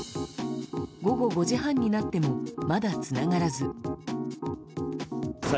午後５時半になってもまだつながらず。